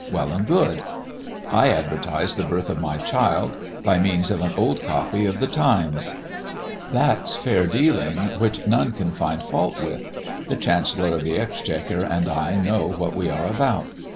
Well and good. I advertise the birth of my child by means of an old copy of the Times. That's fair dealing, which none can find fault with. The Chancellor of the Exchequer and I know what we are about.